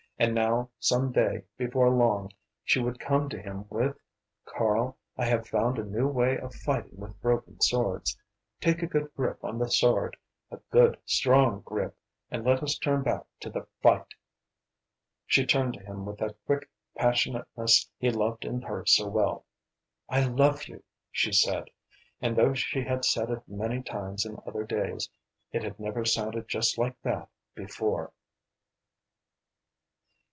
And, now, some day before long she would come to him with: "Karl, I have found a new way of fighting with broken swords; take a good grip on the sword, a good strong grip, and let us turn back to the fight!" She turned to him with that quick passionateness he loved in her so well. "I love you," she said, and though she had said it many times in other days, it had never sounded just like that before.